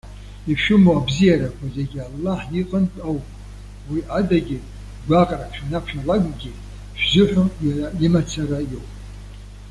Ишәымоу абзиарақәа зегьы Аллаҳ иҟынтә ауп. Уи адагьы гәаҟрак шәанақәшәалакгьы, шәзыҳәо иара имацара иоуп.